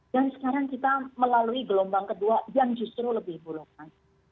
dan sekarang kita melalui gelombang kedua yang justru lebih buruk lagi